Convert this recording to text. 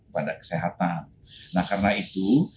pada kesehatan nah karena itu